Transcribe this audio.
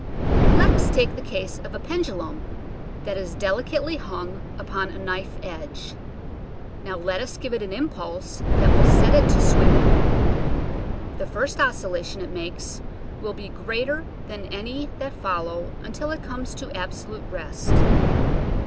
Let us take the case of a pendulum that is delicately hung upon a knife edge. Now let us give it an impulse that will set it to swing ing. The first oscillation it makes will be greater than any that follow until it comes to absolute rest.